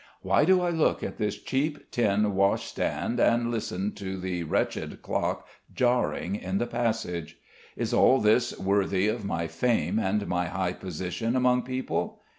Why do I look at this cheap tin washstand and listen to the wretched clock jarring in the passage? Is all this worthy of my fame and my high position among people?